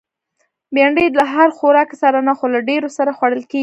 بېنډۍ له هر خوراکي سره نه، خو له ډېرو سره خوړل کېږي